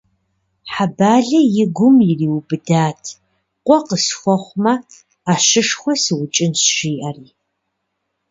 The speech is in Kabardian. Хьэбалэ и гум ириубыдат, къуэ къысхуэхъумэ, ӏэщышхуэ сыукӏынщ жиӏэри.